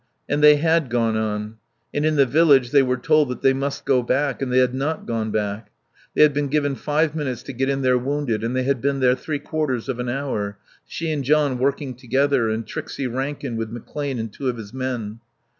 And they had gone on. And in the village they were told that they must go back and they had not gone back. They had been given five minutes to get in their wounded and they had been there three quarters of an hour, she and John working together, and Trixie Rankin with McClane and two of his men.